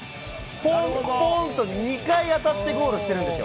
ポン、ポンと２回当たってゴールしているんですよ。